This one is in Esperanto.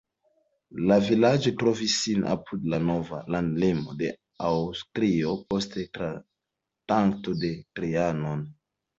La vilaĝo trovis sin apud la nova landlimo de Aŭstrio post Traktato de Trianon.